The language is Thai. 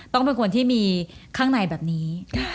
ต้องเป็นคนที่มีข้างในแบบนี้